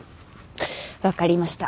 わかりました。